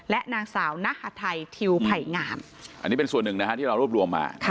และนางสาวณหาไทยทิวไผ่งามอันนี้เป็นส่วนหนึ่งนะฮะที่เรารวบรวมมา